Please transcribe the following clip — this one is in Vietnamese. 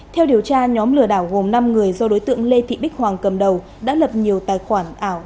theo điều tra nhóm lừa đảo gồm năm người do đối tượng lê thị bích hoàng cầm đầu đã lập nhiều tài khoản ảo